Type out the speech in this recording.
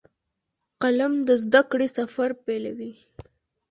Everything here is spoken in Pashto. قلم د زده کړې سفر پیلوي